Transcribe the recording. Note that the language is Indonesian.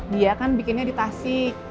dia kan bikinnya di tasik